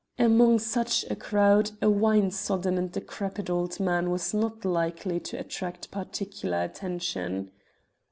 Among such a crowd a wine sodden and decrepit old man was not likely to attract particular attention.